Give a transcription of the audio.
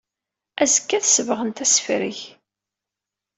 Azekka ad sebɣent asefreg.